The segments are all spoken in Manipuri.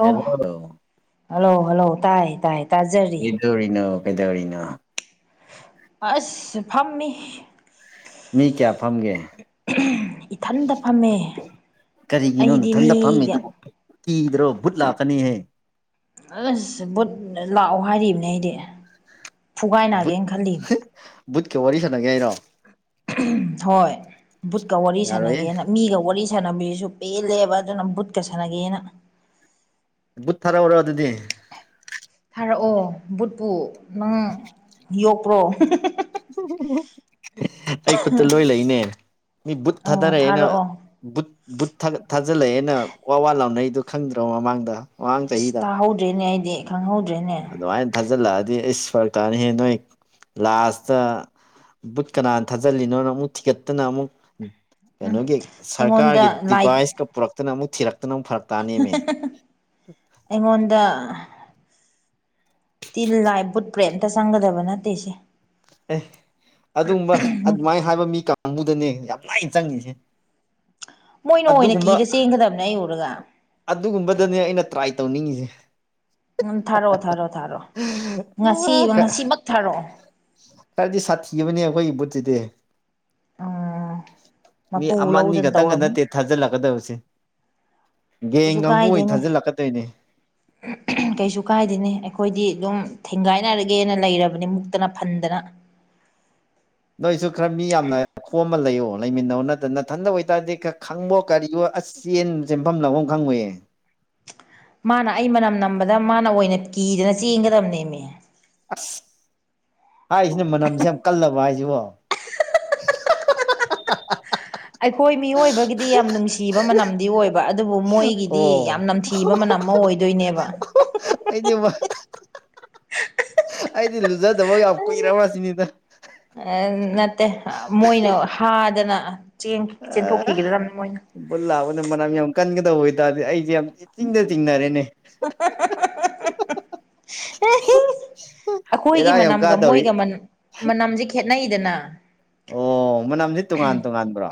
ꯍꯂꯣ ꯍꯜꯂꯣ ꯍꯜꯂꯣ ꯇꯥꯏ ꯇꯥꯏ ꯇꯥꯖꯔꯤ ꯀꯗꯧꯔꯤꯅꯣ ꯀꯩꯗꯧꯔꯤꯅꯣ ꯑꯁ ꯐꯝꯃꯤ ꯃꯤ ꯀꯌꯥ ꯐꯝꯒꯦ ꯏꯊꯟꯇ ꯐꯝꯃꯦ ꯀꯔꯤꯒꯤꯅꯣ ꯑꯩꯗꯤ ꯅꯊꯟꯗ ꯃꯤꯒ ꯐꯝꯃꯤꯗꯨꯕꯨ ꯀꯤꯗ꯭ꯔꯣ ꯕꯨꯠ ꯂꯥꯛꯀꯅꯤꯍꯦ ꯑꯁ ꯐꯨꯠ ꯂꯥꯛꯑꯣ ꯍꯥꯏꯔꯤꯕꯅꯦ ꯑꯩꯗꯤ ꯕꯨꯠ ꯐꯨꯒꯥꯏꯅꯒꯦꯅ ꯈꯜꯂꯤꯝꯅꯤ ꯕꯨꯠꯀ ꯋꯥꯔꯤ ꯁꯥꯟꯅꯒꯦ ꯍꯥꯏꯔꯣ ꯍꯣꯏ ꯕꯨꯠꯀ ꯋꯥꯔꯤ ꯌꯥꯔꯣꯏꯌꯦ ꯁꯥꯟꯅꯒꯦꯅ ꯃꯤꯒ ꯋꯥꯔꯤ ꯁꯥꯟꯅꯕꯁꯨ ꯄꯦꯜꯂꯦꯕ ꯑꯗꯨꯅ ꯕꯨꯠꯀ ꯁꯥꯟꯅꯒꯦꯅ ꯕꯨꯨꯠ ꯊꯥꯔꯛꯎꯔꯣ ꯑꯗꯨꯗꯤ ꯐꯥꯔꯛꯑꯣ ꯕꯨꯠꯄꯨ ꯅꯪ ꯌꯣꯛꯄ꯭ꯔꯣ ꯑꯩ ꯈꯨꯠꯇ ꯂꯣꯏ ꯂꯩꯅꯦ ꯃꯤ ꯕꯨꯠ ꯑꯣ ꯊꯥꯗꯔꯛꯑꯦꯅ ꯊꯥꯔꯛꯑꯣ ꯕꯨꯠ ꯊꯥꯖꯤꯜꯂꯛꯑꯦꯅ ꯋꯥꯋꯥ ꯂꯥꯎꯅꯩꯗꯣ ꯈꯪꯗ꯭ꯔꯣ ꯃꯃꯥꯡꯗ ꯃꯃꯥꯡ ꯑꯁ ꯆꯍꯤꯗ ꯇꯥꯍꯧꯗ꯭ꯔꯦꯅꯦ ꯑꯩꯗꯤ ꯈꯪꯍꯧꯗ꯭ꯔꯦꯅꯦ ꯑꯗꯨꯃꯥꯏꯅ ꯊꯥꯖꯤꯜꯂꯛꯑꯗꯤ ꯏꯁ ꯐꯔꯛ ꯀꯥꯅꯤꯍꯦ ꯅꯣꯏ ꯂꯥꯁꯇ ꯕꯨꯠ ꯀꯅꯥꯅ ꯊꯥꯖꯤꯜꯂꯤꯅꯣꯅ ꯑꯃꯨꯛ ꯊꯤꯒꯠꯇꯅ ꯑꯃꯨꯛ ꯀꯩꯅꯣꯒꯤ ꯑꯩꯉꯣꯟꯗ ꯁꯔꯀꯥꯔꯒꯤ ꯂꯥꯏ ꯗꯤꯚꯥꯏꯁꯀ ꯄꯨꯔꯛꯇꯅ ꯑꯃꯨꯛ ꯊꯤꯔꯛꯇꯅ ꯑꯃꯨꯛ ꯐꯔꯛꯇ ꯑꯩꯉꯣꯟꯗ ꯇꯤ ꯂꯥꯏ ꯕꯨꯠ ꯄ꯭ꯔꯦꯟ ꯑꯇ ꯆꯪꯒꯗꯕ ꯅꯠꯇꯦꯁꯦ ꯑꯦ ꯑꯗꯨꯕ ꯑꯗꯨꯃꯥꯏꯅ ꯍꯥꯏꯕ ꯃꯤ ꯀꯥꯡꯕꯨꯗꯅꯦ ꯌꯥꯝ ꯂꯥꯏꯅ ꯆꯪꯉꯤꯁꯦ [unintelligible] ꯃꯣꯏꯅ ꯑꯣꯏꯅ ꯑꯗꯨꯒꯨꯝꯕ ꯀꯤꯔ ꯆꯦꯟꯒꯗꯕꯅꯦ ꯑꯩ ꯎꯔꯒ ꯑꯗꯨꯒꯨꯝꯕꯗꯅꯦ ꯑꯩꯅ ꯇ꯭ꯔꯥꯏ ꯇꯧꯅꯤꯡꯉꯤꯁꯦ ꯎꯝ ꯊꯥꯔꯛꯑꯣ ꯊꯥꯔꯛꯑꯣ ꯊꯥꯔꯑꯣ ꯉꯁꯤ ꯑ ꯈꯔ ꯉꯁꯤꯃꯛ ꯊꯥꯔꯛꯑꯣ ꯈꯔꯗꯤ ꯁꯥꯊꯤꯕꯅꯦ ꯑꯩꯈꯣꯏꯒꯤ ꯕꯨꯠꯁꯤꯗꯤ ꯎꯝ ꯃꯤ ꯃꯄꯨ ꯑꯃ ꯑꯅꯤ ꯂꯧꯗꯅ ꯈꯛꯇꯪꯒ ꯇꯧꯔꯝꯃꯅꯤ ꯅꯠꯇꯦ ꯊꯥꯖꯤꯜꯂꯛꯀꯗꯕꯁꯦ ꯒꯦꯡ ꯑꯩꯁꯨ ꯀꯥꯡꯕꯨ ꯑꯣꯏꯅ ꯀꯥꯏꯗꯦꯅꯦ ꯊꯥꯖꯤꯜꯂꯛꯀꯗꯣꯏꯅꯦ [inaudible] ꯀꯩꯁꯨ ꯀꯥꯏꯗꯦꯅꯦ ꯑꯩꯈꯣꯏꯗꯤ ꯑꯗꯨꯝ ꯊꯦꯡꯒꯥꯏꯅꯔꯒꯦꯅ ꯂꯩꯔꯕꯅꯤ ꯃꯨꯛꯇꯅ ꯐꯟꯗꯅ ꯅꯣꯏꯁꯨ ꯈꯔ ꯃꯤ ꯌꯥꯝꯅ ꯈꯣꯝꯃ ꯂꯩꯌꯣ ꯂꯩꯃꯤꯟꯅꯎ ꯅꯠꯇ ꯅꯊꯟꯗ ꯑꯣꯏꯇꯥꯔꯗꯤ ꯈꯔ ꯈꯪꯕꯣ ꯀꯔꯤꯑꯣ ꯑꯁ ꯆꯦꯟ ꯆꯦꯟꯐꯝ ꯂꯥꯡꯐꯝ ꯈꯪꯉꯣꯏꯌꯦ ꯃꯥꯅ ꯑꯩ ꯃꯅꯝ ꯅꯝꯕꯗ ꯃꯥꯅ ꯑꯣꯏꯅ ꯀꯤꯗꯅ ꯆꯦꯟꯒꯗꯕꯅꯦꯃꯤ ꯑꯁ ꯍꯥꯏꯔꯤꯁꯤꯅ ꯃꯅꯝꯁꯦ ꯌꯥꯝ ꯀꯜꯂꯕ ꯍꯥꯏꯁꯤꯕꯣ ꯑꯩꯈꯣꯏ ꯃꯤꯑꯣꯏꯕꯒꯤꯗꯤ ꯌꯥꯝ ꯅꯨꯡꯁꯤꯕ ꯃꯅꯝꯗꯤ ꯑꯣꯏꯕ ꯑꯗꯨꯕꯨ ꯃꯣꯏꯒꯤꯗꯤ ꯌꯥꯝ ꯑꯣ ꯅꯝꯊꯤ ꯀꯤꯕ ꯃꯅꯝ ꯑꯃ ꯑꯣꯏꯗꯣꯏꯅꯦꯕ ꯑꯩꯗꯤꯕ ꯑꯩꯗꯤ ꯂꯨꯖꯗꯕ ꯌꯥꯝ ꯀꯨꯏꯔꯕ꯭ꯔꯁꯤꯅꯤꯗ ꯑꯥ ꯅꯠꯇꯦ ꯃꯣꯏꯅ ꯍꯥꯗꯅ ꯆꯦꯟꯊꯣꯛꯈꯤꯒꯗꯕꯅꯤ ꯃꯣꯏꯅ ꯕꯨꯜ ꯂꯥꯛꯑꯕꯗ ꯃꯅꯝ ꯌꯥꯝ ꯀꯟꯒꯗꯕ ꯑꯣꯏꯇꯥꯔꯗꯤ ꯑꯩꯁꯦ ꯌꯥꯝ ꯏꯆꯤꯡꯗ ꯆꯤꯡꯅꯔꯦꯅꯦ ꯑꯩꯈꯣꯏꯒꯤ ꯕꯦꯔꯥ ꯌꯥꯝ ꯃꯅꯝꯒ ꯀꯥꯗꯧꯔꯤ ꯃꯣꯏꯒ ꯃꯅꯝ ꯃꯅꯝꯁꯦ ꯈꯦꯠꯅꯩꯗꯅ ꯑꯣ ꯃꯅꯝꯁꯤ ꯇꯣꯉꯥꯟ ꯇꯣꯉꯥꯟꯕ꯭ꯔꯣ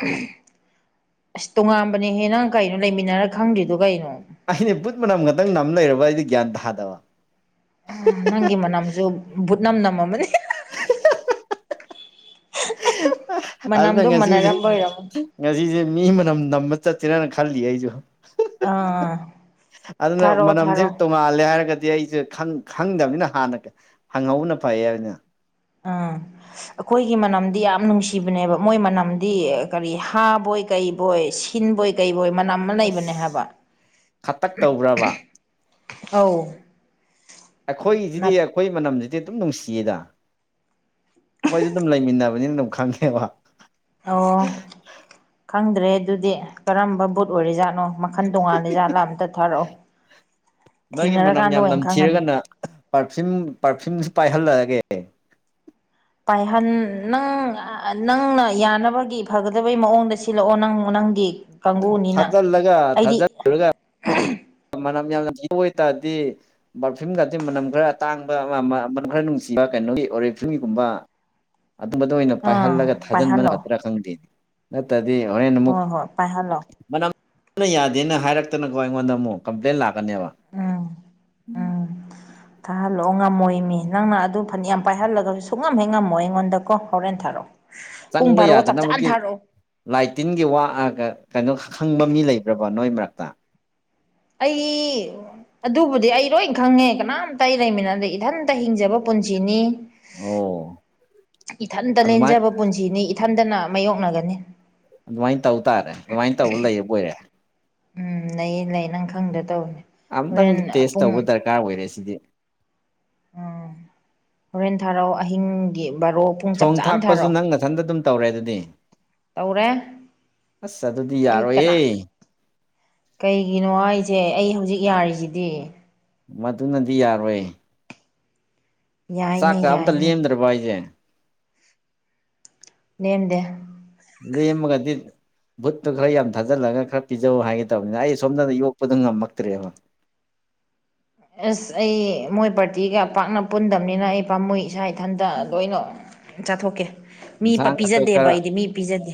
ꯑꯁ ꯇꯣꯉꯥꯟꯕꯅꯦꯍꯦ ꯅꯪ ꯀꯩꯅꯣ ꯂꯩꯃꯤꯟꯅꯔ ꯈꯪꯗ꯭ꯔꯤꯗꯣ ꯀꯩꯅꯣ ꯑꯗꯤ ꯕꯨꯠ ꯃꯅꯝ ꯈꯛꯇꯪ ꯅꯝ ꯂꯩꯔꯕ ꯑꯩꯗꯤ ꯒ꯭ꯌꯥꯟ ꯇꯥꯗꯕ ꯑ ꯅꯪꯒꯤ ꯃꯅꯝꯁꯨ ꯕꯨꯠ ꯅꯝ ꯅꯝꯂꯝꯃꯅꯤ ꯑꯗꯨꯅ ꯉꯁꯤꯖꯦ ꯑꯣꯏꯔꯝꯃꯅꯤ ꯉꯁꯤꯁꯦ ꯃꯤ ꯃꯅꯝ ꯅꯝꯕ ꯆꯠꯁꯤꯔꯅ ꯈꯜꯂꯤ ꯑꯩꯁꯨ ꯑꯥ ꯑꯗꯨꯅ ꯊꯥꯔꯛꯑꯣ ꯃꯅꯝꯁꯦ ꯊꯥꯔꯛꯑꯣ ꯇꯣꯡ ꯃꯥꯜꯂꯦ ꯍꯥꯏꯔꯒꯗꯤ ꯑꯩꯁꯦ ꯈꯪꯗꯕꯅꯤꯅ ꯍꯥꯟꯅ ꯍꯪꯍꯧꯕꯅ ꯐꯩ ꯍꯥꯏꯕꯅ ꯑꯥ [unintelligible] ꯑꯩꯈꯣꯏꯒꯤ ꯃꯅꯝꯗꯤ ꯌꯥꯝ ꯅꯨꯡꯁꯤꯕꯅꯦꯕ ꯃꯣꯏ ꯃꯅꯝꯗꯤ ꯀꯔꯤ ꯍꯥꯕꯣꯏ ꯀꯩꯕꯣꯏ ꯀꯤꯟꯕꯣꯏ ꯀꯩꯕꯣꯏ ꯃꯅꯝ ꯑꯃ ꯑꯁ ꯂꯩꯕꯅꯦ ꯍꯥꯏꯕ ꯈꯇꯛ ꯇꯧꯕ꯭ꯔꯕ ꯑꯥꯎ ꯑꯩꯈꯣꯏꯒꯤꯁꯤꯗꯤ ꯑꯩꯈꯣꯏ ꯃꯅꯝꯁꯤꯗꯤ ꯑꯗꯨꯝ ꯅꯨꯡꯁꯤꯌꯦꯗ ꯑꯩꯈꯣꯏꯁꯨ ꯑꯗꯨꯝ ꯂꯩꯃꯤꯟꯅꯕ ꯅꯤꯅ ꯑꯗꯨꯝ ꯈꯪꯉꯦꯕ ꯑꯣ ꯈꯪꯗ꯭ꯔꯦ ꯑꯗꯨꯗꯤ ꯀꯔꯝꯕ ꯕꯨꯠ ꯑꯣꯏꯔꯤꯖꯥꯠꯅꯣ ꯃꯈꯟ ꯇꯣꯉꯥꯜꯂꯤ ꯖꯥꯠꯂꯥ ꯑꯝꯇ ꯊꯥꯔꯛꯑꯣ ꯅꯣꯏꯒꯤ ꯃꯅꯝ ꯊꯦꯡꯅꯔꯀꯥꯟꯗ ꯌꯥꯝ ꯑꯣꯏꯅ ꯈꯪꯉꯅꯤ ꯅꯝꯊꯤꯔꯒꯅ ꯄꯔꯐ꯭ꯌꯨꯝ ꯄꯥꯔꯐꯤꯝꯁꯨ ꯄꯥꯏꯍꯜꯂꯛꯑꯒꯦ ꯄꯥꯏꯍꯟ ꯅꯪ ꯅꯪꯅ ꯌꯥꯅꯕꯒꯤ ꯐꯒꯗꯕꯩ ꯃꯑꯣꯡꯗ ꯁꯤꯜꯂꯛꯑꯣ ꯅꯪ ꯅꯪꯗꯤ ꯀꯥꯡꯒꯨꯅꯤꯅ ꯊꯥꯖꯤꯜꯂꯒ ꯑꯩꯗꯤ ꯊꯥꯖꯜꯂ ꯃꯅꯝ ꯌꯥꯝꯅ ꯅꯝꯊꯤꯗꯣꯏ ꯑꯣꯏꯇꯥꯔꯗꯤ ꯕꯔꯐꯤꯝꯒꯗꯤ ꯃꯅꯝ ꯈꯔꯇꯥꯡꯕ ꯃꯅꯝ ꯈꯔ ꯅꯨꯡꯁꯤꯕ ꯀꯩꯅꯣꯒꯤ ꯑꯣꯔꯦꯐ꯭ꯌꯨꯝꯒꯤꯒꯨꯝꯕ ꯑꯗꯨꯝꯕꯗ ꯑꯣꯏꯅ ꯑꯥ ꯄꯥꯏꯍꯜꯂꯒ ꯊꯥꯖꯤꯟꯕꯅ ꯄꯥꯏꯍꯜꯂꯣ ꯐꯒꯗ꯭ꯔ ꯈꯪꯗꯦꯅꯤ ꯅꯠꯇꯗꯤ ꯍꯣꯔꯦꯟ ꯑꯃꯨꯛ ꯍꯣꯏ ꯍꯣꯏ ꯄꯥꯏꯍꯜꯂꯣ ꯃꯅꯝ ꯑꯗꯨꯅ ꯌꯥꯗꯦꯅ ꯍꯥꯏꯔꯛꯇꯅꯀꯣ ꯑꯩꯉꯣꯟꯗ ꯑꯃꯨꯛ ꯀꯝꯄ꯭ꯂꯦꯟ ꯂꯥꯛꯀꯅꯦꯕ [inaudible] ꯎꯝ ꯎꯝ ꯊꯥꯍꯜꯂꯛꯑꯣ ꯉꯝꯃꯣꯏ ꯃꯤ ꯅꯪꯅ ꯑꯗꯨ ꯐꯅ ꯌꯥꯝ ꯄꯥꯏꯍꯜꯂꯒꯁꯨ ꯁꯨꯡꯉꯝꯍꯦꯛ ꯉꯝꯃꯣ ꯑꯩꯉꯣꯟꯗꯀꯣ ꯍꯣꯔꯦꯟ ꯊꯥꯔꯛꯑꯣ ꯄꯨꯡ ꯆꯪꯕ ꯚꯔꯣ ꯆꯞ ꯆꯥꯅ ꯌꯥꯗꯅꯕꯒꯤ ꯊꯥꯔꯛꯑꯣ ꯂꯥꯏ ꯇꯤꯟꯒꯤ ꯋꯥꯠꯑꯒ ꯀꯩꯅꯣ ꯈꯪꯕ ꯃꯤ ꯂꯩꯕ꯭ꯔꯕ ꯅꯣꯏ ꯃꯔꯛꯇ ꯑꯩ ꯑꯗꯨꯕꯨꯗꯤ ꯑꯩ ꯂꯣꯏ ꯈꯪꯉꯦ ꯀꯅꯥꯝꯇ ꯑꯩ ꯂꯩꯃꯤꯟꯅꯗꯦ ꯏꯊꯟꯇ ꯍꯤꯡꯖꯕ ꯄꯨꯟꯁꯤꯅꯤ ꯑꯣ ꯏꯊꯟꯇ ꯑꯗꯨꯃꯥꯏ ꯂꯦꯟꯖꯕ ꯄꯨꯟꯁꯤꯅꯤ ꯏꯊꯟꯇꯅ ꯃꯥꯥꯏꯌꯣꯛꯅꯒꯅꯤ ꯑꯗꯨꯃꯥꯏꯅ ꯇꯧ ꯇꯥꯔꯦ ꯑꯗꯨꯃꯥꯏꯅ ꯇꯧꯕ ꯂꯩ ꯑꯣꯏꯔꯦ ꯎꯝ ꯂꯩꯌꯦ ꯂꯩ ꯅꯪ ꯈꯪꯗ ꯇꯧꯧꯕꯅꯦ ꯑꯝꯇꯪꯗꯤ ꯇꯦꯁ ꯇꯧꯕ ꯗꯔꯀꯥꯔ ꯑꯣꯏꯔꯦ ꯁꯤꯗꯤ ꯎꯝ ꯍꯣꯔꯦꯟ ꯊꯔꯥꯎ ꯑꯍꯤꯡꯒꯤ ꯕꯥꯔꯣꯛ ꯊꯣꯡ ꯊꯥꯛꯄꯁꯨ ꯅꯪ ꯃꯊꯟꯗ ꯑꯗꯨꯝ ꯇꯧꯔꯦ ꯑꯗꯨꯗꯤ ꯇꯧꯔꯦ ꯑꯁ ꯑꯗꯨꯗꯤ ꯑꯩ ꯀꯅꯥ ꯌꯥꯔꯣꯏꯍꯦ ꯀꯩꯒꯤꯅꯣ ꯍꯥꯏꯁꯦ ꯑꯩ ꯍꯧꯖꯤꯛ ꯌꯥꯔꯤꯁꯤꯗꯤ ꯃꯗꯨꯅꯗꯤ ꯌꯥꯔꯣꯏ ꯆꯥꯛ ꯌꯥꯏꯅꯦ ꯀꯌꯥ ꯑꯝꯇ ꯌꯥꯏꯅꯦ ꯂꯦꯝꯗ꯭ꯔꯕ ꯑꯩꯁꯦ ꯅꯦꯝꯗꯦ ꯂꯩ ꯃꯒꯗꯤ ꯕꯨꯨꯠꯇꯨ ꯈꯔ ꯌꯥꯝ ꯊꯥꯖꯤꯜꯂꯒ ꯈꯔ ꯄꯤꯖꯧ ꯍꯥꯏꯒꯦ ꯇꯕꯅꯤꯅ ꯑꯩ ꯁꯣꯝꯗꯅ ꯌꯣꯛꯄꯗꯨꯣ ꯉꯝꯃꯛꯇ꯭ꯔꯦꯕ ꯑꯁ ꯑꯩ ꯃꯣꯏ ꯄꯥꯔꯇꯤꯒ ꯄꯥꯛꯅ ꯄꯨꯟꯗꯕꯅꯤꯅ ꯑꯩ ꯄꯥꯝꯃꯣꯏ ꯏꯁꯥ ꯏꯊꯟꯇ ꯂꯣꯏꯅ ꯆꯥꯊꯣꯛꯀꯦ ꯃꯤ ꯄꯤꯖꯗꯦꯕ ꯑꯩꯗꯤ ꯃꯤ ꯄꯤꯖꯗꯦ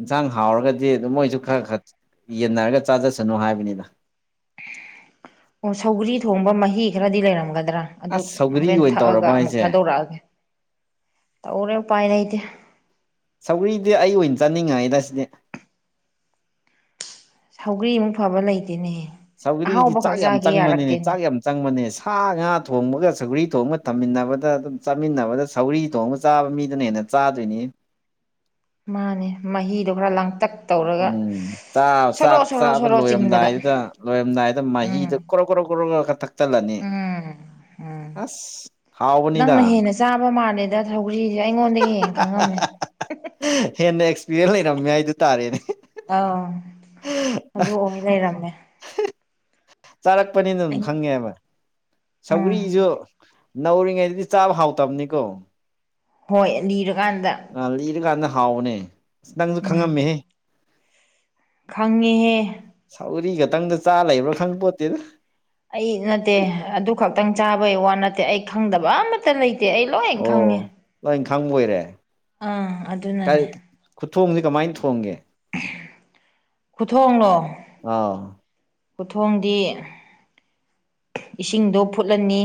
ꯌꯦꯟꯁꯥꯡ ꯍꯥꯎꯔꯒꯗꯤ ꯑꯗꯨꯝ ꯃꯣꯏꯁꯨ ꯈꯔ ꯈꯔ ꯌꯦꯟꯅꯔꯒ ꯆꯥꯖꯁꯅꯨ ꯍꯥꯏꯕꯅꯤꯗ ꯑꯣ ꯁꯧꯒ꯭ꯔꯤ ꯊꯣꯡꯕ ꯃꯍꯤ ꯈꯔꯗꯤ ꯂꯩꯔꯝꯒꯗ꯭ꯔꯥ ꯑꯗꯨ ꯑꯁ ꯁꯧꯒ꯭ꯔꯤ ꯍꯣꯔꯦꯟ ꯑꯣꯏꯅ ꯊꯛꯑꯒ ꯇꯧꯔꯕ ꯑꯃꯨꯛ ꯍꯥꯏꯁꯦ ꯊꯥꯗꯣꯔꯛꯑꯒꯦ ꯇꯧꯔꯦ ꯎꯄꯥꯏ ꯂꯩꯇꯦ ꯁꯧꯒ꯭ꯔꯤꯗꯤ ꯑꯩ ꯑꯣꯏꯅ ꯆꯥꯅꯤꯡꯉꯥꯏꯩꯗ ꯁꯤꯗꯤ ꯁꯧꯒ꯭ꯔꯤꯃꯨꯛ ꯐꯕ ꯂꯩꯇꯦꯅꯦꯍ ꯁꯧꯒꯔꯤꯗꯤ ꯆꯥꯛ ꯌꯥꯝ ꯆꯪꯕꯅꯤꯅꯦ ꯆꯥꯛ ꯌꯥꯝ ꯆꯪꯕꯅꯦ ꯁꯥ ꯉꯥ ꯊꯣꯡꯕꯒ ꯁꯧꯒꯔꯤ ꯊꯣꯡꯕꯒ ꯊꯝꯃꯤꯟꯅꯕꯗ ꯑꯗꯨꯝ ꯆꯥꯃꯤꯟꯅꯕꯗ ꯁꯧꯒꯔꯤ ꯊꯣꯡꯕ ꯆꯥꯕ ꯃꯤꯗꯅ ꯍꯦꯟꯅ ꯆꯥꯗꯣꯏꯅꯤ ꯃꯥꯅꯦ ꯃꯍꯤꯗꯣ ꯈꯔ ꯂꯥꯡꯇꯛ ꯇꯧꯔꯒ ꯎꯝ ꯁꯣꯔꯣ ꯆꯥꯛ ꯁꯣꯔꯣ ꯆꯥꯕ ꯁꯣꯔꯣ ꯆꯤꯡꯕꯗ ꯂꯣꯏꯔꯝꯗꯥꯏꯗꯨꯗ ꯂꯣꯏꯔꯝꯗꯥꯏꯗ ꯎꯝ ꯃꯍꯤꯗ ꯀ꯭ꯔꯣ ꯀ꯭ꯔꯣ ꯀꯣ ꯀ ꯈ ꯊꯛꯆꯜꯂꯅꯤ ꯎꯝ ꯎꯝ ꯑꯁ ꯍꯥꯎꯕꯅꯤꯗ ꯅꯪꯅ ꯍꯦꯟꯅ ꯆꯥꯕ ꯃꯥꯜꯂꯦꯗ ꯊꯧꯒ꯭ꯔꯤꯁꯦ ꯑꯩꯉꯣꯟꯗꯒꯤ ꯍꯦꯟ ꯈꯪꯉꯝꯃꯦ ꯍꯦꯟꯅ ꯑꯦꯛꯁꯄꯤꯔꯤꯌꯦꯟꯁ ꯂꯩꯔꯝꯃꯦ ꯍꯥꯏꯗꯨ ꯇꯥꯔꯦꯅꯦ ꯑꯥꯎ ꯑꯗꯨ ꯑꯣꯃꯤ ꯂꯩꯔꯝꯃꯦ ꯆꯥꯔꯛꯄꯅꯤꯅ ꯑꯗꯨꯝ ꯑꯩꯅ ꯈꯪꯉꯦꯕ ꯎꯝ ꯁꯧꯒ꯭ꯔꯤꯖꯨ ꯅꯧꯔꯤꯉꯩꯗꯗꯤ ꯆꯥꯕ ꯍꯥꯎꯇꯕꯅꯤꯀꯣ ꯍꯣꯏ ꯂꯤꯔꯀꯥꯟꯗ ꯑ ꯂꯤꯔꯀꯥꯟꯗ ꯍꯥꯎꯕꯅꯦ ꯑꯁ ꯅꯪꯁꯨ ꯎꯝ ꯈꯪꯉꯝꯃꯦꯍꯦ ꯈꯪꯉꯤꯍꯦ ꯁꯧꯒ꯭ꯔꯤ ꯈꯛꯇꯪꯗ ꯆꯥ ꯂꯩꯕ꯭ꯔꯥ ꯈꯪꯄꯣꯠꯇꯦꯗ ꯑꯩ ꯅꯠꯇꯦ ꯑꯗꯨ ꯈꯛꯇꯪ ꯆꯥꯕꯩ ꯋꯥ ꯅꯠꯇꯦ ꯑꯩ ꯈꯪꯗꯕ ꯑꯃ ꯑꯠꯇ ꯂꯩꯇꯦ ꯑꯩ ꯂꯣꯏ ꯈꯪꯉꯦ ꯑꯣ ꯂꯣꯏ ꯈꯪꯕ ꯑꯣꯏꯔꯦ ꯑꯥ ꯑꯗꯨꯅꯅꯦ ꯈꯨꯊꯣꯡꯁꯤꯦ ꯀꯃꯥꯏꯅ ꯊꯣꯡꯒꯦ ꯈꯨꯊꯣꯡꯂꯣ ꯑꯥꯎ ꯈꯨꯊꯣꯡꯗꯤ ꯏꯁꯤꯡꯗꯣ ꯐꯨꯠꯂꯅꯤ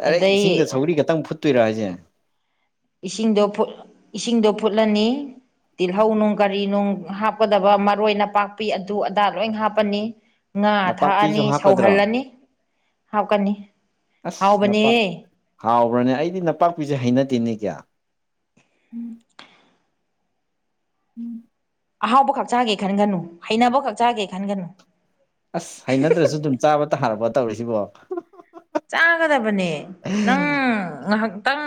ꯗꯥꯏꯔꯦꯛ ꯑꯗꯩ ꯏꯁꯤꯡꯗ ꯁꯧꯔꯤ ꯈꯛꯇꯪ ꯐꯨꯠꯇꯣꯏꯔꯣ ꯍꯥꯏꯁꯦ ꯏꯁꯤꯡꯗꯣ ꯏꯁꯤꯡꯗꯣ ꯐꯨꯠꯂꯅꯤ ꯇꯤꯜꯍꯧ ꯅꯨꯡ ꯀꯔꯤ ꯅꯨꯡ ꯍꯥꯞꯀꯗꯕ ꯃꯔꯣꯏ ꯅꯄꯥꯛꯄꯤ ꯑꯗꯨ ꯑꯗꯥ ꯂꯣꯏ ꯍꯥꯞꯄꯅꯤ ꯉꯥ ꯅꯄꯥꯛꯄꯤꯁꯨ ꯊꯥꯛꯑꯅꯤ ꯍꯥꯞꯀꯗ꯭ꯔꯣ ꯁꯧꯍꯜꯂꯅꯤ ꯍꯥꯞꯀꯅꯤ ꯑꯁ ꯍꯥꯎꯕꯅꯦ ꯅꯄꯥꯛ ꯍꯥꯎꯕ꯭ꯔꯅꯦ ꯑꯩꯗꯤ ꯅꯄꯥꯛꯄꯤꯁꯦ ꯍꯩꯅꯗꯦꯅꯦ ꯀꯌꯥ ꯎꯝ ꯑꯍꯥꯎꯕ ꯈꯛ ꯆꯥꯒꯦ ꯈꯟꯒꯅꯨ ꯍꯩꯅꯕ ꯈꯛ ꯆꯥꯒꯦ ꯈꯟꯒꯅꯨ ꯑꯁ ꯍꯩꯅꯗ꯭ꯔꯁꯨ ꯑꯗꯨꯝ ꯆꯥꯕ ꯇꯥꯔꯕꯣ ꯇꯧꯔꯤꯁꯤꯕꯣ ꯆꯥꯒꯗꯕꯅꯦ ꯅꯪ ꯉꯍꯥꯛ ꯇꯪ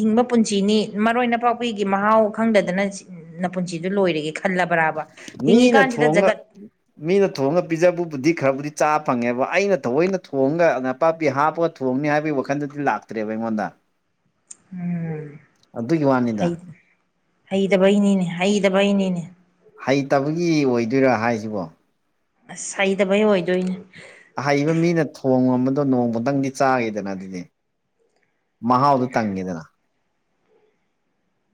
ꯍꯤꯡꯕ ꯄꯨꯟꯁꯤꯅꯤ ꯃꯔꯣꯏ ꯅꯄꯥꯛꯄꯤꯒꯤ ꯃꯍꯥꯎ ꯈꯪꯗꯗꯅ ꯁꯤꯅꯤ ꯅ ꯄꯨꯨꯟꯁꯤꯗꯨ ꯂꯣꯏꯔꯒꯦ ꯈꯜꯂꯕ꯭ꯔꯕ ꯍꯤꯡꯉꯤ ꯃꯤꯅ ꯀꯥꯟꯁꯤꯗ ꯖꯒꯠ [inaudible] ꯃꯤꯅ ꯊꯣꯡꯉꯒ ꯄꯤꯖꯕꯕꯨꯗꯤ ꯈꯔꯕꯨꯗꯤ ꯆꯥꯕ ꯐꯪꯉꯦꯕ ꯑꯩꯅ ꯊꯑꯣꯏꯅ ꯊꯣꯡꯉꯒ ꯅꯄꯥꯛꯄꯤ ꯍꯥꯞꯄꯒ ꯊꯣꯡ ꯊꯣꯡꯅꯤ ꯍꯥꯏꯕꯒꯤ ꯋꯥꯈꯜꯗꯗꯤ ꯂꯥꯛꯇ꯭ꯔꯦꯕ ꯑꯩꯉꯣꯟꯗ ꯎꯝ ꯑꯗꯨꯒꯤ ꯋꯥꯅꯤꯗ ꯍꯩꯗꯕꯩꯅꯤꯅꯦ ꯍꯩꯗꯕꯩꯅꯤꯅꯦ ꯍꯩꯇꯕꯒꯤ ꯑꯣꯏꯗꯣꯏꯔꯥ ꯍꯥꯏꯁꯤꯕꯣ ꯑꯁ ꯍꯩꯇꯕꯩ ꯑꯣꯏꯗꯣꯏꯅꯦ ꯑꯍꯩꯕ ꯃꯤꯅ ꯊꯣꯡꯉꯝꯕꯗꯣ ꯅꯣꯡꯃꯛꯇꯪꯗꯤ ꯆꯥꯒꯦꯗꯅ ꯑꯗꯨꯗꯤ ꯃꯍꯥꯎꯗꯨ ꯇꯪꯒꯦꯗꯅ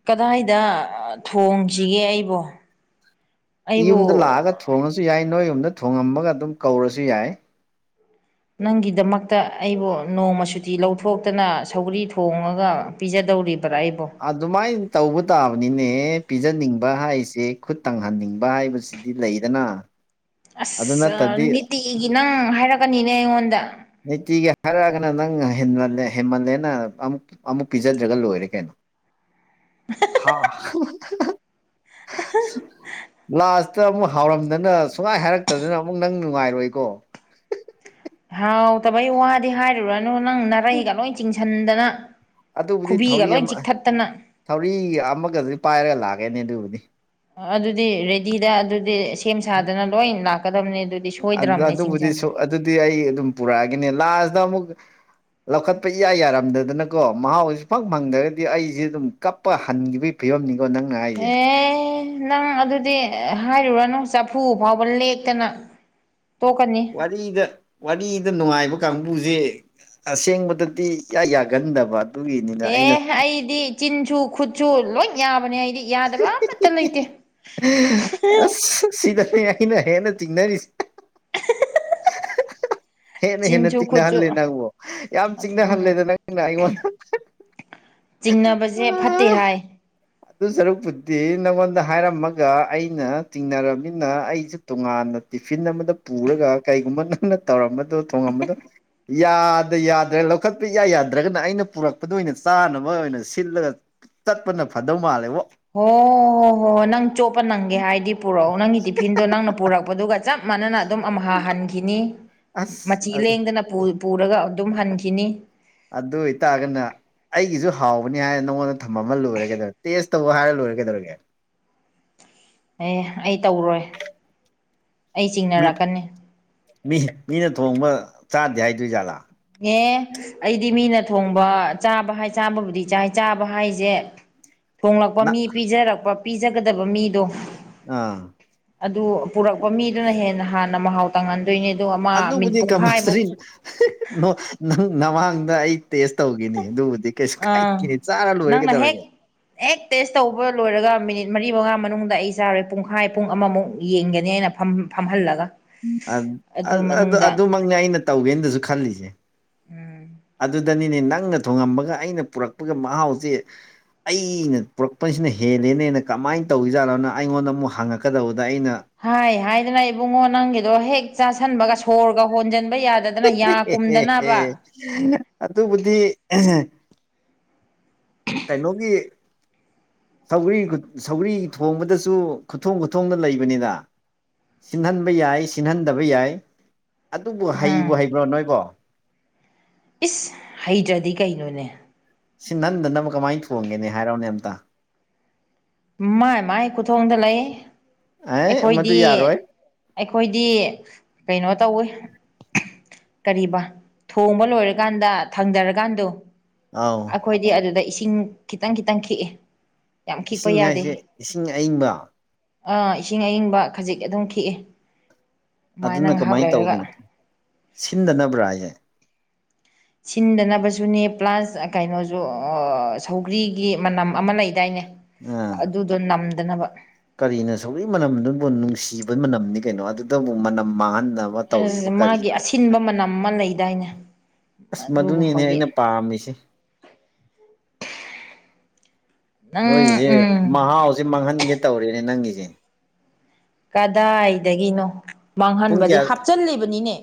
ꯀꯗꯥꯏꯗ ꯊꯣꯡꯁꯤꯒꯦ ꯑꯩꯕꯣ ꯑꯩꯕꯨ ꯌꯨꯝꯗ ꯂꯥꯛꯑꯒ ꯊꯣꯡꯉꯁꯨ ꯌꯥꯏ ꯅꯣꯏ ꯌꯨꯝꯗ ꯊꯣꯉꯝꯃꯒ ꯑꯗꯨꯝ ꯀꯧꯔꯁꯨ ꯌꯥꯏ ꯅꯪꯒꯤꯗꯃꯛꯇ ꯑꯩꯕꯨ ꯅꯣꯡꯃ ꯁꯨꯇꯤ ꯂꯧꯊꯣꯛꯇꯅ ꯁꯧꯒ꯭ꯔꯤ ꯊꯣꯡꯉꯒ ꯄꯤꯖꯗꯧꯔꯤꯕ꯭ꯔꯥ ꯑꯩꯕꯣ ꯑꯗꯨꯃꯥꯏꯅ ꯇꯧꯕ ꯇꯥꯕꯅꯤꯅꯦ ꯄꯤꯖꯅꯤꯡꯕ ꯍꯥꯏꯁꯦ ꯈꯨꯠ ꯇꯪꯍꯟꯅꯤꯡꯕ ꯍꯥꯏꯕꯁꯦ ꯗꯤ ꯂꯩꯗꯅ ꯑꯗꯨ ꯑꯁ ꯅꯠꯇꯗꯤ ꯅꯤꯇꯤꯒꯤ ꯅꯪ ꯍꯥꯏꯔꯛꯀꯅꯤꯅꯦ ꯑꯩꯉꯣꯟꯗ ꯅꯨꯡꯇꯤꯒꯤ ꯍꯥꯏꯔꯛꯑꯒꯅ ꯅꯪꯅ ꯍꯦꯟꯃꯜꯂꯦ ꯍꯦꯃꯜꯂꯦꯅꯅ ꯑꯃꯨꯛ ꯑꯃꯨꯛ ꯄꯤꯖꯗ꯭ꯔꯒ ꯂꯣꯏꯔꯦ ꯀꯩꯅꯣ [unintelligible] ꯍꯥꯥ [unintelligible] ꯂꯥꯁꯇ ꯑꯃꯨꯛ ꯍꯥꯎꯔꯝꯗꯅ ꯁꯨꯡꯍꯥꯏ ꯍꯥꯏꯔꯛꯇꯗꯅ ꯑꯃꯨꯛ ꯅꯪ ꯅꯨꯡꯉꯥꯏꯔꯣꯏꯀꯣ ꯍꯥꯎꯇꯕꯩ ꯋꯥꯗꯤ ꯍꯥꯏꯔꯨꯔꯅꯨ ꯅꯪ ꯅꯥꯔꯩꯒ ꯂꯣꯏ ꯆꯤꯡꯁꯟꯗꯅ ꯑꯗꯨꯕꯨꯗꯤ ꯈꯨꯕꯤꯒ ꯊꯧꯔꯤ ꯂꯣꯏ ꯑꯃ ꯆꯤꯛꯊꯠꯇꯅ ꯊꯧꯔꯤ ꯑꯃꯒꯗꯤ ꯄꯥꯏꯔꯒ ꯂꯥꯛꯀꯦꯅꯦ ꯑꯗꯨꯕꯨꯗꯤ ꯑꯗꯨꯗꯤ ꯔꯦꯗꯤꯗ ꯑꯗꯨꯗꯤ ꯁꯦꯝ ꯁꯥꯗꯅ ꯂꯣꯏ ꯂꯥꯛꯀꯗꯝꯅꯦ ꯑ ꯑꯗ ꯑꯗꯨꯕꯨꯗꯤ ꯑꯗꯨꯗꯤ ꯑꯩ ꯑꯗꯨꯝ ꯄꯨꯔꯛꯑꯒꯦꯅꯦ ꯂꯥꯁꯇ ꯑꯃꯨꯛ ꯂꯧꯈꯠꯄ ꯏꯌꯥ ꯌꯥꯔꯝꯗꯗꯅꯀꯣ ꯃꯍꯥꯎꯁꯤ ꯐꯪ ꯐꯪꯗ꯭ꯔꯒꯗꯤ ꯑꯩꯁꯦ ꯗꯨꯝ ꯀꯞꯄ ꯍꯟꯒꯤꯕꯩ ꯐꯤꯕꯝꯅꯤꯀꯣ ꯅꯪ ꯑꯦ ꯅꯪ ꯑꯗꯨꯗꯤ ꯍꯥꯏꯔꯨꯔꯅꯨ ꯆꯐꯨ ꯐꯥꯎꯕ ꯂꯦꯛꯇꯅ ꯇꯣꯛꯀꯅꯤ ꯋꯥꯔꯤꯗ ꯋꯥꯔꯤꯗ ꯅꯨꯡꯉꯥꯏꯕ ꯀꯥꯡꯕꯨꯁꯦ ꯑꯁꯦꯡꯕꯗꯗꯤ ꯏꯌꯥ ꯌꯥꯒꯟꯗꯕ ꯑꯗꯨꯒꯤꯅꯤꯅ ꯑꯦ ꯑꯩꯅ ꯐꯩꯗꯤ ꯆꯤꯟꯁꯨ ꯈꯨꯠꯁꯨ ꯂꯣꯏ ꯌꯥꯕꯅꯦ ꯑꯩꯗꯤ ꯌꯥꯗꯕ ꯑꯃꯠꯇ ꯂꯩꯇꯦ [unintelligible] ꯑꯁ ꯁꯤꯗꯅꯦ ꯑꯩꯅ ꯍꯦꯟꯅ ꯆꯤꯡꯅꯔꯤꯁꯤ ꯍꯦꯟꯅ ꯍꯦꯟꯅ ꯆꯤꯟꯁꯨ ꯈꯨꯠꯁꯨ ꯆꯤꯡꯅꯍꯜꯂꯦ ꯅꯪꯕꯨ ꯌꯥꯝ ꯆꯤꯡꯅꯍꯜꯂꯦꯗ ꯅꯪꯅ ꯑꯩꯉꯣꯟꯗ [unintelligible] ꯆꯤꯡꯅꯕꯖꯦ ꯐꯠꯇꯦ ꯍꯥꯏ ꯑꯗꯨ ꯁꯔꯨꯛꯄꯨꯗꯤ ꯅꯪꯉꯣꯟꯗ ꯍꯥꯏꯔꯝꯃꯒ ꯑꯩꯅ ꯇꯤꯡꯅꯔꯕꯅꯤꯅ ꯑꯩꯁꯨ ꯇꯣꯉꯥꯟꯅ ꯇꯤꯐꯤꯟ ꯑꯃꯗ ꯄꯨꯔꯒ ꯀꯩꯒꯨꯝꯕ ꯅꯪꯅ ꯇꯧꯔꯝꯕꯗꯣ ꯊꯣꯡꯉꯝꯕꯗꯣ ꯌꯥꯗ ꯌꯥꯗ꯭ꯔꯦ ꯂꯧꯈꯠꯄ ꯏꯌꯥ ꯌꯥꯗ꯭ꯔꯒꯅ ꯑꯩꯅ ꯄꯨꯔꯛꯄꯗꯨ ꯑꯣꯏꯅ ꯆꯥꯅꯕ ꯑꯣꯏꯅ ꯁꯤꯜꯂꯒ ꯇꯠꯄꯅ ꯐꯗꯧ ꯃꯥꯜꯂꯦꯕꯣ ꯍꯣ ꯍꯣ ꯍꯣ ꯅꯪ ꯆꯣꯞꯄ ꯅꯪꯒꯦ ꯍꯥꯏꯗꯤ ꯄꯨꯔꯛꯑꯣ ꯅꯪꯒꯤ ꯇꯤꯐꯤꯟꯗꯣ ꯅꯪꯅ ꯄꯨꯔꯛꯄꯗꯨꯒ ꯆꯞ ꯃꯥꯟꯅꯅ ꯑꯗꯨꯝ ꯑꯝꯍꯥ ꯍꯟꯈꯤꯅꯤ ꯑꯁ ꯃꯆꯤ ꯑꯗꯨ ꯂꯦꯡꯗꯅ ꯄꯨꯏ ꯄꯨꯔꯒ ꯑꯗꯨꯝ ꯍꯟꯈꯤꯅꯤ ꯑꯗꯨ ꯑꯣꯏꯇꯥꯒꯅ ꯑꯩꯒꯤꯁꯨ ꯍꯥꯎꯕꯅꯤ ꯍꯥꯏꯔꯅ ꯅꯪꯉꯣꯟꯗ ꯊꯝꯃꯝ ꯃ ꯂꯣꯏꯔꯦ ꯀꯩꯗꯧ ꯇꯦꯁ ꯇꯧ ꯍꯥꯏꯔ ꯂꯣꯏꯔꯦ ꯀꯩꯗꯧꯔꯒꯦ ꯑꯦ ꯑꯩ ꯇꯧꯔꯣꯏ ꯑꯩ ꯃꯤ ꯆꯤꯡꯅꯔꯛꯀꯅꯤ ꯃꯤ ꯃꯤꯅ ꯊꯣꯡꯕ ꯆꯥꯗꯦ ꯍꯥꯏꯗꯣꯏ ꯖꯥꯠꯂꯥ ꯌꯦ ꯑꯩꯗꯤ ꯃꯤꯅ ꯊꯣꯡꯕ ꯆꯥꯕ ꯍꯥꯏ ꯆꯥꯕꯕꯨꯗꯤ ꯆꯥꯏ ꯆꯥꯕ ꯍꯥꯏꯖꯦ ꯊꯣꯡꯂꯛꯄ ꯅ ꯃꯤ ꯄꯤꯖꯔꯛꯄ ꯄꯤꯖꯒꯗꯕ ꯃꯤꯗꯣ ꯑꯥ ꯑꯗꯨ ꯄꯨꯔꯛꯄ ꯃꯤꯗꯨꯅ ꯍꯦꯟꯅ ꯍꯥꯟꯅ ꯃꯍꯥꯎ ꯇꯪꯍꯟ ꯗꯣꯢꯅꯦ ꯗꯨ ꯑꯃꯨꯛ ꯑꯗꯨꯕꯨꯗꯤ ꯀꯝꯄꯜꯁꯔꯤ ꯍꯦ ꯍꯦ ꯅꯣ ꯅꯪ ꯅꯃꯥꯡꯗ ꯑꯩ ꯇꯦꯁ ꯇꯧꯒꯦꯅꯤ ꯑꯗꯨꯕꯨꯗꯤ ꯀꯩꯁꯨ ꯑꯥ ꯀꯥꯏꯗꯦ ꯆꯥꯔ ꯂꯣꯏꯔꯦ ꯅꯪꯅ ꯍꯦꯛ ꯀꯩꯗꯧꯔꯒ ꯍꯦꯛ ꯇꯦꯁ ꯇꯧꯕ ꯂꯣꯏꯔꯒ ꯃꯤꯅꯤꯠ ꯃꯔꯤ ꯃꯉꯥ ꯃꯅꯨꯡꯗ ꯑꯩ ꯆꯥꯔꯣꯏ ꯄꯨꯡꯈꯥꯏ ꯄꯨꯡ ꯑꯃꯃꯨꯛ ꯌꯦꯡꯒꯅꯤ ꯑꯩꯅ ꯐꯝ ꯐꯝꯍꯜꯂꯒ ꯑꯠ ꯑꯗꯨ ꯑꯠ ꯑꯠ ꯃꯅꯨꯡꯗ ꯑꯗꯨꯃꯛꯅꯦ ꯑꯩꯅ ꯇꯧꯒꯦꯅꯁꯨ ꯈꯜꯂꯤꯖꯦ ꯎꯝ ꯑꯗꯨꯗꯅꯤꯅꯦ ꯅꯪꯅ ꯊꯣꯉꯝꯕꯒ ꯑꯩꯅ ꯄꯨꯔꯛꯄꯒ ꯃꯍꯥꯎꯆꯦ ꯑꯩꯅ ꯄꯨꯔꯛꯄꯁꯤꯅ ꯍꯦꯜꯂꯦꯅꯦꯅ ꯀꯃꯥꯏꯅ ꯇꯧꯏꯖꯥꯠꯂꯣꯅꯣ ꯑꯩꯉꯣꯟꯗ ꯑꯃꯨꯛ ꯍꯪꯉꯛꯀꯗꯧꯕꯗ ꯑꯩꯅ ꯍꯥꯏ ꯍꯥꯏꯗꯅ ꯏꯕꯨꯡꯉꯣ ꯅꯪꯒꯤꯗꯣ ꯍꯦꯛ ꯆꯥꯁꯟꯕꯒ ꯁꯣꯔꯒ ꯍꯣꯟꯖꯟ ꯕ ꯌꯥꯗꯗꯅ ꯌꯥ ꯀꯨꯝꯗꯅꯕ ꯑꯗꯨꯕꯨꯤ ꯑꯍꯥ ꯀꯩꯅꯣꯒꯤ ꯁꯧꯒꯔꯤ ꯈꯨꯠ ꯁꯧꯒꯔꯤ ꯊꯣꯡꯕꯗꯁꯨ ꯈꯨꯊꯣꯡ ꯈꯨꯊꯣꯡꯗ ꯂꯩꯕꯅꯤꯗ ꯁꯤꯟꯍꯟꯕ ꯌꯥꯏ ꯁꯤꯟꯍꯟꯗꯕ ꯌꯥꯏ ꯑꯗꯨꯕꯨ ꯎꯝ ꯍꯩꯕꯨ ꯍꯩꯕ꯭ꯔꯣ ꯅꯣꯏꯕꯣ ꯏꯁ ꯍꯩꯇ꯭ꯔꯗꯤ ꯀꯩꯅꯣꯅꯦ ꯁꯤꯟꯍꯟꯗꯅꯕ ꯀꯃꯥꯏꯟ ꯊꯣꯡꯒꯦꯅꯦ ꯍꯥꯏꯔꯣꯛꯅꯦ ꯑꯝꯇ ꯃꯥꯏ ꯃꯥꯏ ꯈꯨꯊꯣꯡꯗ ꯂꯩ ꯑꯦ ꯃꯗꯨ ꯑꯩꯈꯣꯏꯗꯤ ꯌꯥꯔꯣꯏ ꯑꯩꯈꯣꯏꯗꯤ ꯀꯩꯅꯣ ꯇꯧꯋꯤ ꯀꯔꯤꯕꯥ ꯊꯣꯡꯕ ꯂꯣꯏꯔꯀꯥꯟꯗ ꯊꯥꯡꯗꯔꯀꯥꯟꯗꯣ ꯑꯥꯎ ꯑꯈꯣꯏꯗꯤ ꯑꯗꯨꯗ ꯏꯁꯤꯡ ꯈꯤꯇꯪ ꯈꯤꯇꯪ ꯈꯤꯛꯑꯦ ꯌꯥꯝ ꯈꯤꯛꯄ ꯏꯁꯤꯡ ꯍꯥꯏꯁꯦ ꯏꯁꯤꯡ ꯑꯏꯪꯕ ꯥ ꯏꯁꯤꯡ ꯑꯏꯪꯕ ꯈꯖꯤꯛ ꯑꯗꯨꯝ ꯈꯤꯛꯑꯦ ꯑꯗꯨꯃꯥꯏꯅ ꯑꯗꯨꯅ ꯉꯥꯏꯍꯥꯛ ꯀꯃꯥꯏꯅ ꯂꯩꯔꯒ ꯇꯧꯔꯤꯅꯣ ꯁꯤꯟꯗꯅꯕ꯭ꯔꯥ ꯍꯥꯏꯁꯦ ꯁꯤꯟꯗꯅꯕꯁꯨꯅꯦ ꯄ꯭ꯂꯁ ꯀꯩꯅꯣꯁꯨ ꯁꯧꯒ꯭ꯔꯤꯒꯤ ꯃꯅꯝ ꯑꯃ ꯂꯩꯗꯥꯏꯅꯦ ꯑꯥ ꯑꯗꯨꯗꯣ ꯅꯝꯗꯅꯕ ꯀꯔꯤꯅꯣ ꯁꯧꯒ꯭ꯔꯤ ꯃꯅꯝꯗꯨꯕꯨ ꯅꯨꯡꯁꯤꯕ ꯃꯅꯝꯅꯤ ꯀꯩꯅꯣ ꯑꯗꯨꯗꯕꯨ ꯃꯅꯝ ꯃꯥꯡꯍꯟꯅꯗꯕ ꯃꯥꯒꯤ ꯑꯁꯤꯟꯕ ꯃꯅꯝ ꯑꯃ ꯂꯩꯗꯥꯏꯅꯦ ꯑꯁ ꯃꯗꯨꯅꯤꯅꯦ ꯑꯗꯨꯒꯨꯝꯕꯒꯤ ꯑꯩꯅ ꯄꯥꯝꯃꯤꯁꯤ ꯅꯪ ꯅꯣꯏꯒꯤꯁꯦ ꯎꯝ ꯃꯍꯥꯎꯁꯦ ꯃꯥꯡꯍꯟꯒꯦ ꯇꯧꯔꯦꯅꯦ ꯅꯪꯒꯤꯁꯦ ꯀꯗꯥꯏꯗꯒꯤꯅꯣ ꯄꯨꯡ ꯃꯥꯡꯍꯟꯕꯗꯤ ꯀꯌꯥ ꯍꯥꯞꯆꯜꯂꯤꯕꯅꯤꯅꯦ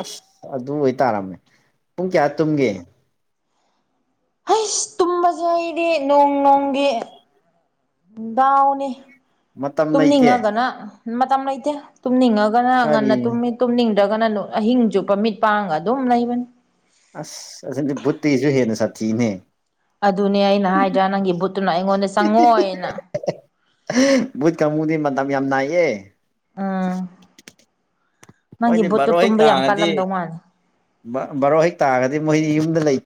ꯑꯁ ꯑꯗꯨ ꯑꯣꯏꯇꯥꯔꯝꯃꯦ ꯄꯨꯡ ꯀꯌꯥ ꯇꯨꯝꯒꯦ ꯍꯩꯁ ꯇꯨꯝꯕꯖꯦ ꯑꯩꯗꯤ ꯅꯣꯡ ꯅꯣꯡꯒꯤ ꯗꯥꯎꯅꯤ ꯃꯇꯝ ꯂꯩꯇꯦ ꯇꯨꯝꯅꯤꯡꯉꯒꯅ ꯃꯇꯝ ꯂꯩꯇꯦ ꯇꯨꯝꯅꯤꯡꯉꯒꯅ ꯀꯔꯤ ꯉꯟꯅ ꯇꯨꯝꯃꯤ ꯇꯨꯝꯅꯤꯡꯗ꯭ꯔꯒꯅ ꯑꯍꯤꯡ ꯆꯨꯞꯄ ꯃꯤꯠ ꯄꯥꯡꯒ ꯑꯗꯨꯝ ꯂꯩꯕꯅꯤ ꯑꯁ ꯑꯁꯤꯗꯤ ꯕꯨꯠꯇꯩꯁꯨ ꯍꯦꯟꯅ ꯁꯥꯊꯤꯝꯅꯦ ꯑꯗꯨꯅꯦ ꯑꯩꯅ ꯍꯥꯏꯗ꯭ꯔꯥ ꯅꯪꯒꯤ ꯕꯨꯠꯇꯨꯅ ꯑꯩꯉꯣꯟꯗ ꯆꯪꯉꯣꯢꯅ ꯍꯦ ꯍꯦ ꯕꯨꯠ ꯀꯥꯡꯕꯨꯗꯤ ꯃꯇꯝ ꯌꯥꯝ ꯅꯥꯏꯌꯦ ꯎꯝ ꯅꯪꯒꯤ ꯃꯣꯏꯗꯤ ꯚꯨꯠꯇꯣ ꯇꯨꯝꯕ ꯌꯥꯝ ꯀꯥꯜꯂꯝꯗꯧ ꯃꯥꯂꯦ ꯕꯥ ꯕꯥꯔꯣ ꯍꯦꯛ ꯇꯥꯔꯗꯤ ꯃꯣꯏꯗꯤ ꯌꯨꯝꯗ ꯂꯩ